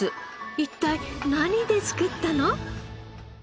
一体何で作ったの？